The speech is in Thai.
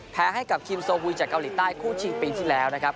แพ้ให้กับคิมโซวุยจากเกาหลีใต้คู่ชิงปีที่แล้วนะครับ